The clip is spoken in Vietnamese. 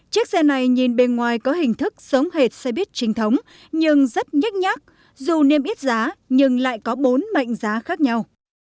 chiếc xe này nhìn bên ngoài có hình thức giống hệt xe bít trinh thống nhưng rất nhắc nhắc dù niêm ít giá nhưng lại có bốn mệnh giá khác nhau